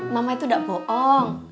mama itu enggak bohong